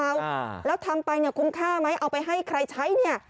อ่าแล้วทำไปเนี่ยคุ้มค่าไหมเอาไปให้ใครใช้เนี่ย